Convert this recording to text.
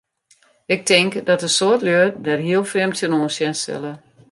Ik tink dat in soad lju dêr hiel frjemd tsjinoan sjen sille.